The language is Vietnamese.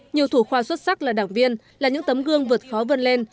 nhiều thủ khoa xuất sắc là đảng viên là những tấm gương vượt khó vươn lên